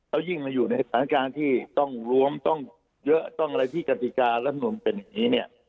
แล้วยิ่งมาอยู่ในสถานการณ์ที่ต้องรวมต้องเยอะต้องอะไรที่กติการรัฐมนุนเป็นอย่างนี้เนี่ย